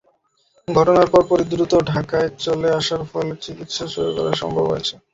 ঘটনার পরপরই দ্রুত ঢাকায় চলে আসার ফলে চিকিৎসা শুরু করা সম্ভব হয়েছে।